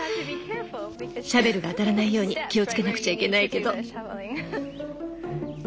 シャベルが当たらないように気をつけなくちゃいけないけど。